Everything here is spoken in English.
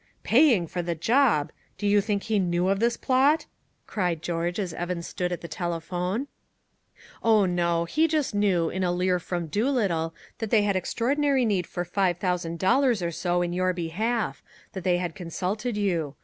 "Paying for the job! Do you think he knew of this plot?" cried George as Evans stood at the telephone. "Oh, no. He just knew, in a leer from Doolittle, that they had extraordinary need for Eve thousand dollars or so in your behalf that they had consulted you.